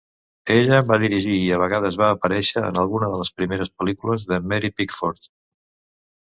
Ella va dirigir i a vegades va aparèixer en alguna de les primeres pel·lícules de Mary Pickford.